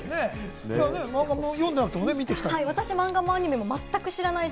漫画読んでなくても見てきたんだよね。